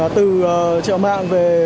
từ chợ mạng